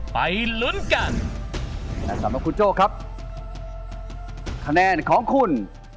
ไปลุ้นกันและสำหรับคุณโจ้ครับคะแนนของคุณ